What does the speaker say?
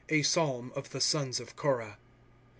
A Psalm of tiic Sons of Korah.